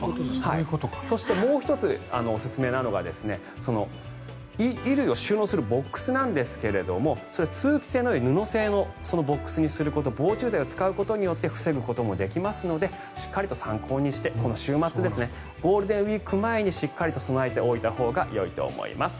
そして、もう１つおすすめなのが衣類を収納するボックスですが通気性のよい布製のボックスにすること防虫剤を使うことで防ぐこともできますのでしっかりと参考にしてこの週末ゴールデンウィーク前にしっかり備えておいたほうがいいと思います。